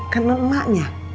kan lo emaknya